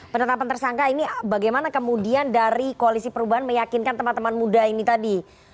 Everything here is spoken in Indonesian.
penetapan tersangka ini bagaimana kemudian dari koalisi perubahan meyakinkan teman teman muda ini tadi